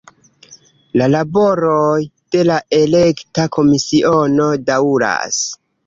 La laboroj de la Elekta Komisiono daŭras.